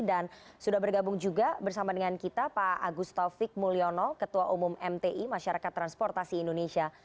dan sudah bergabung juga bersama dengan kita pak agustovic mulyono ketua umum mti masyarakat transportasi indonesia